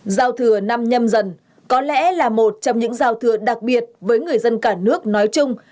giao thừa năm nhâm dần có lẽ là một trong những giao thừa đặc biệt với người dân cả nước nói chung